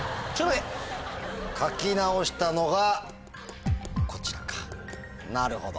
書き直したのがこちらかなるほど。